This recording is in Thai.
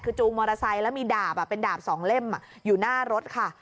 คือจูงมอเตอร์ไซค์แล้วมีดาบเป็นดาบ๒เล่มอยู่หน้ารถค่ะ